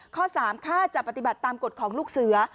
ข้อ๓ค่าจะปฏิบัติตามกฎของลูกเสือ